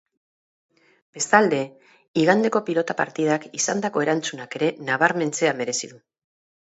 Bestalde, igandeko pilota partidak izandako erantzunak ere nabarmentzea merezi du.